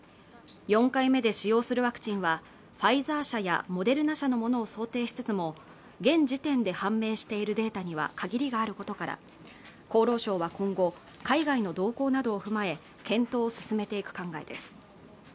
４回目で使用するワクチンはファイザー社やモデルナ社のものを想定しつつも現時点で判明しているデータには限りがあることから厚労省は今後海外の動向などを踏まえ検討を進めていく考えです